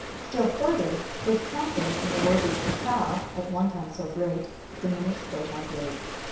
Still further, his confidence in the worthy Picard, at one time so great, diminished day by day.